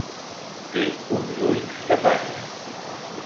Té uns ulls que parlen.